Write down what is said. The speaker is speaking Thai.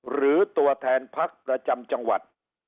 หรือตัวแทนพักประจำจังหวัด